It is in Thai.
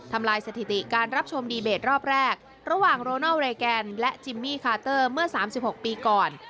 ทำลายสถิติการรับชมดีเบตรอบแรกระหว่างโรนอลเรแกนและจิมมี่คาเตอร์เมื่อ๓๖ปีก่อน